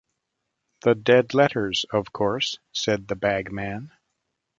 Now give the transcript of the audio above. ‘The dead letters, of course,’ said the bagman.